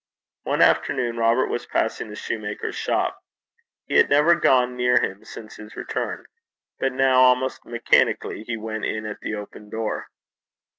One afternoon Robert was passing the soutar's shop. He had never gone near him since his return. But now, almost mechanically, he went in at the open door.